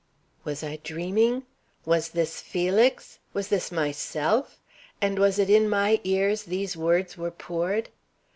Was I dreaming? Was this Felix? Was this myself? And was it in my ears these words were poured?